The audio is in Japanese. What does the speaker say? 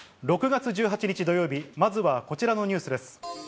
６月１８日土曜日、まずはこちらのニュースです。